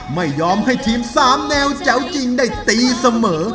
ไม่ยอมให้ทีม๓แนวแจ๋วจริงได้ตีเสมอ